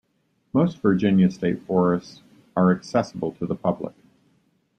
Most Virginia state forests are accessible to the public.